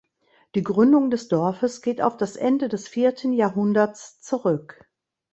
Die Gründung des Dorfes geht auf das Ende des vierten Jahrhunderts zurück.